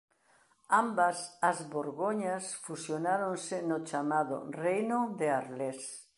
Ambas as Borgoñas fusionáronse no chamado reino de Arlés.